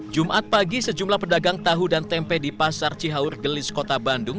jumat pagi sejumlah pedagang tahu dan tempe di pasar cihaur gelis kota bandung